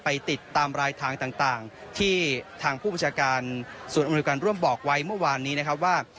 ไปติดตามรายถังต่างต่างที่ทางผู้บัญชาการส่วนอำนวยการร่วมบอกไว้เมื่อวานนี้นะครับว่า